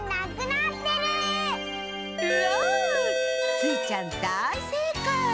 スイちゃんだいせいかい！